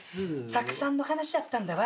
酢酸の話だったんだわ。